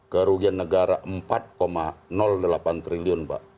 kerugian negara empat delapan triliun pak